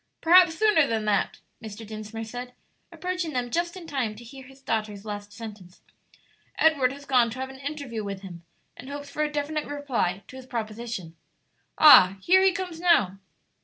"Perhaps sooner than that," Mr. Dinsmore said, approaching them just in time to hear his daughter's last sentence; "Edward has gone to have an interview with him, and hopes for a definite reply to his proposition. Ah, here he comes now!"